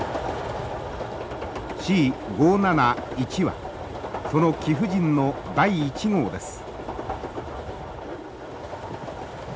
Ｃ５７１はその貴婦人の第１号です。